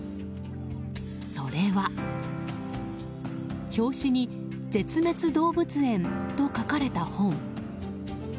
それは、表紙に「絶滅動物園」と書かれた本。